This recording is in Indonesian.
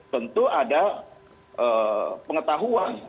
tentu ada pengetahuan